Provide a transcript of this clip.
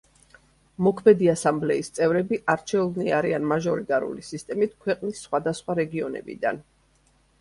მოქმედი ასამბლეის წევრები არჩეულნი არიან მაჟორიტარული სისტემით ქვეყნის სხვადასხვა რეგიონებიდან.